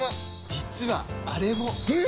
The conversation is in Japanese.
実はあれも！え！？